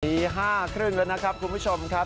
สี่ห้าครึ่งแล้วนะครับคุณผู้ชมครับ